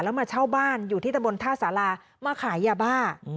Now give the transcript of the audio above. แล้วมาเช่าบ้านอยู่ที่ตะบนท่าสารามาขายยาบ้า